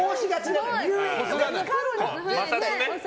摩擦ね。